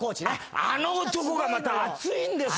あの男がまた熱いんですよ。